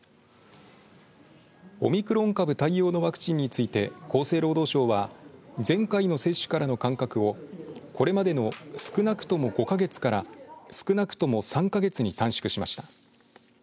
オミクロン株対応のワクチンについて厚生労働省は前回の接種からの間隔をこれまでの少なくとも５か月から少なくとも３か月に短縮しました。